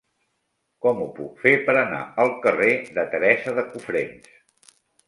Com ho puc fer per anar al carrer de Teresa de Cofrents?